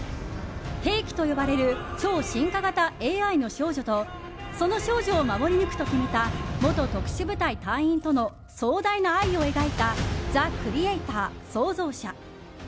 兵器と呼ばれる超進化型ＡＩの少女とその少女を守り抜くと決めた元特殊部隊隊員との壮大な愛を描いた「ザ・クリエイター／創造者」。